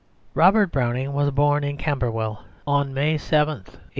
Robert Browning was born in Camberwell on May 7th 1812.